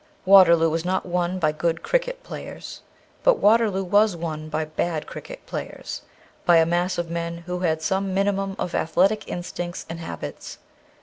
Waterloo was not won by good cricket players. But Waterloo was won by bad cricket players, by a mass of men who had some minimum of athletic instincts and habits.